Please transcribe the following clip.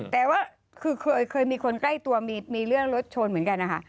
แต่ว่าคือเคยมีคนใกล้ตัวมีเรื่องรถชนเหมือนกันนะคะ